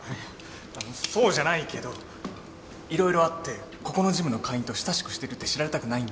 あのそうじゃないけどいろいろあってここのジムの会員と親しくしてるって知られたくないんだ。